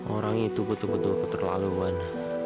orang itu betul betul keterlaluan